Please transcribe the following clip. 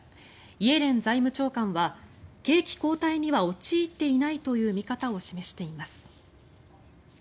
イエレン財務長官は景気後退には陥っていないという見方を示しています。